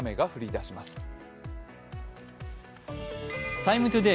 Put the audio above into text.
「ＴＩＭＥ，ＴＯＤＡＹ」